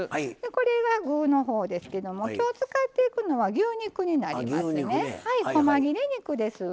これが具の方ですけども今日使っていくのは牛肉になりますね。